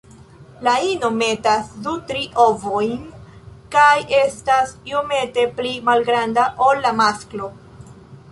La ino metas du-tri ovojn kaj estas iomete pli malgranda ol la masklo.